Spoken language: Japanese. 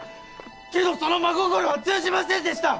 けどその真心が通じませんでした！